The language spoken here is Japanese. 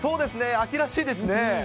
秋らしいですね。